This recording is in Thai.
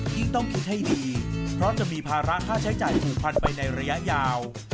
ที่ต้องคิดให้ดีเพราะจะมีภาระค่าใช้จ่ายผูกพันไปในระยะยาว